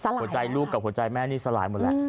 หัวใจลูกกับหัวใจแม่นี่สลายหมดและสลายใช่ไหม